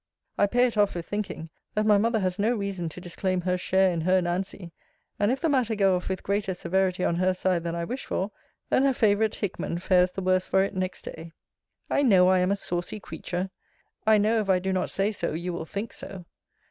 I pay it off with thinking, that my mother has no reason to disclaim her share in her Nancy: and if the matter go off with greater severity on her side than I wish for, then her favourite Hickman fares the worse for it next day. I know I am a saucy creature. I know, if I do not say so, you will think so.